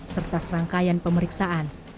serta serangkaian pemeriksaan